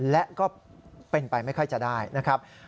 และก็เป็นไปไม่ค่อยจะได้นะครับ